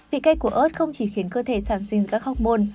vị cay của ớt không chỉ khiến cơ thể sáng sinh các học môn